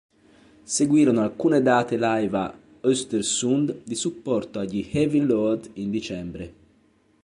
Seguirono alcune date live a Östersund di supporto agli Heavy Load in dicembre.